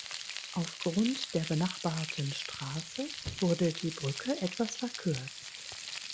Aufgrund der benachbarten Straße wurde die Brücke etwas verkürzt.